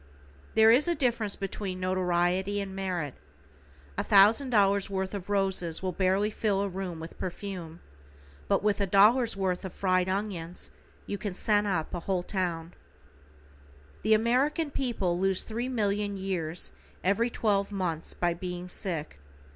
There is a difference between notoriety and merit. A thousand dollars worth of roses will barely fill a room with perfume, but with a dollar's worth of fried onions you can scent up a whole town. The American people lose three million years every twelve months by being sick.